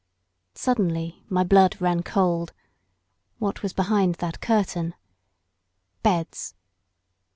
Suddenly my blood ran cold. What was behind that curtain? Beds.